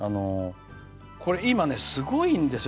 これ、今すごいんですよ。